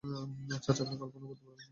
চাচা, আপনি কল্পনাও করতে পারবেন না!